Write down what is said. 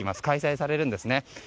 開催されるんですね。